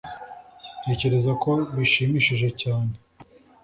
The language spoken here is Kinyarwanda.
Ntekereza ko bishimishije cyane